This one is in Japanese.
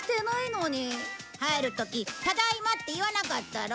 入る時「ただいま」って言わなかったろ。